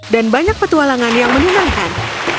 dan banyak petualangan yang menyenangkan